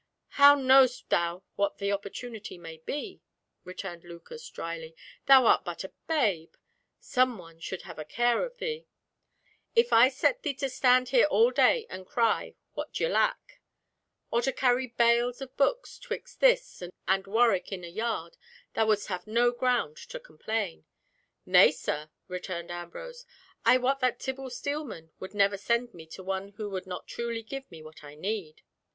"How knowst thou what the opportunity may be?" returned Lucas, drily. "Thou art but a babe! Some one should have a care of thee. If I set thee to stand here all day and cry what d'ye lack? or to carry bales of books twixt this and Warwick Inner Yard, thou wouldst have no ground to complain." "Nay, sir," returned Ambrose, "I wot that Tibble Steelman would never send me to one who would not truly give me what I need."